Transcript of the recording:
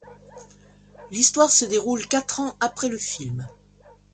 L'histoire se déroule quatre ans après le film.